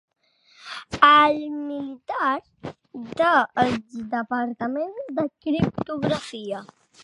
El militar dels departaments de criptografia.